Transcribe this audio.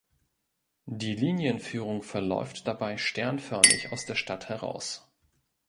Die Linienführung verläuft dabei sternförmig aus der Stadt heraus.